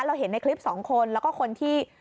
เห็นในคลิปสองคนแล้วก็คนที่